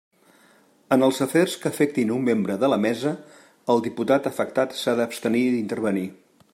En els afers que afectin un membre de la Mesa, el diputat afectat s'ha d'abstenir d'intervenir.